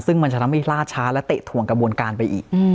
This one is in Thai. ซึ่งมันจะทำให้ล่าช้าและเตะถ่วงกระบวนการไปอีก